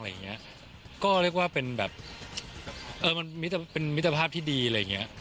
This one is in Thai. อะไรอย่างเงี้ยก็เรียกว่าเป็นแบบเออมันมิตรภาพที่ดีอะไรอย่างเงี้ย